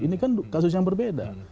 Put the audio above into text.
ini kan kasus yang berbeda